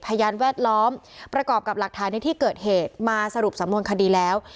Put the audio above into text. พยานแวดล้อมประกอบกับหลักฐานในที่เกิดเหตุมาสรุปสำนวนคดีแล้ว